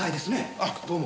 あっどうも。